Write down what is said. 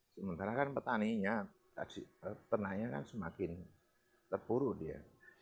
sementara kan petaninya tenangnya kan semakin terpuru dia